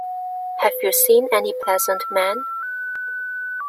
Have you seen any pleasant men?